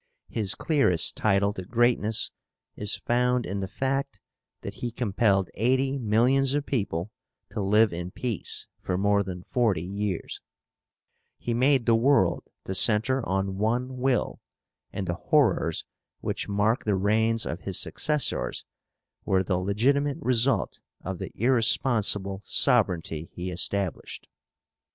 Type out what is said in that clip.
His clearest title to greatness is found in the fact that he compelled eighty millions of people to live in peace for more than forty years, He made the world to centre on one will, and the horrors which mark the reigns of his successors were the legitimate result of the irresponsible sovereignty he established.